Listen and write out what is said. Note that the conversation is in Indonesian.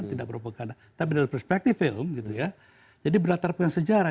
tidak propaganda tapi dari perspektif film jadi berlatar sejarah